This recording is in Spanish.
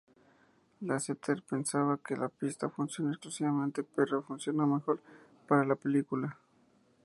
Lasseter pensaba que la pista funcionó exclusivamente, pero funcionó mejor para la película.